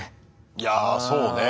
いやそうね。